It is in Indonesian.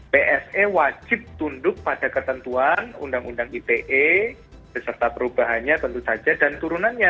pse wajib tunduk pada ketentuan undang undang ite beserta perubahannya tentu saja dan turunannya